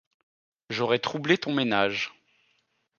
J’aurais troublé ton ménage...